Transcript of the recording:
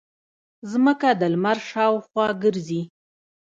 ځمکه د لمر شاوخوا ګرځي